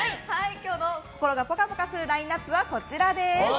今日の心がぽかぽかするラインアップはこちらです。